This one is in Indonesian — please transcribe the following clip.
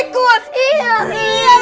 terus ya kuncinya ilang